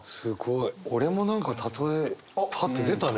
俺も何かたとえパッと出たね